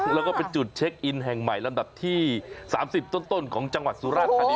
แล้วก็เป็นจุดเช็คอินแห่งใหม่ลำดับที่๓๐ต้นของจังหวัดสุราธานี